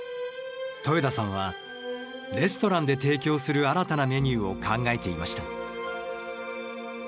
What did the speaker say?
戸枝さんはレストランで提供する新たなメニューを考えていました。